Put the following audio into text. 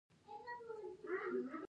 هغه باید وکولای شي عمل وکړي.